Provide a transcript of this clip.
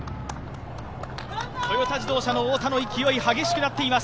トヨタ自動車の太田の勢い、激しくなっています。